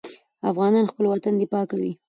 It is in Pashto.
افغانان خپل وطن دفاع کوي.